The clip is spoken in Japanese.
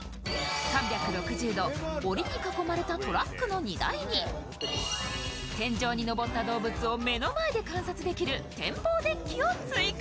３６０度おりに囲まれたトラックの荷台に天井に上った動物を目の前で観察できる展望デッキを追加。